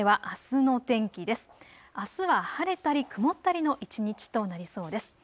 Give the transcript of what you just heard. あすは晴れたり曇ったりの一日となりそうです。